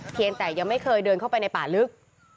ยังแต่ยังไม่เคยเดินเข้าไปในป่าลึก